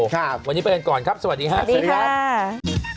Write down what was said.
ครับวันนี้ไปกันก่อนครับสวัสดีค่ะสวัสดีครับสวัสดีค่ะสวัสดีค่ะ